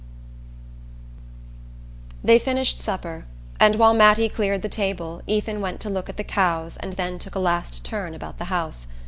V They finished supper, and while Mattie cleared the table Ethan went to look at the cows and then took a last turn about the house.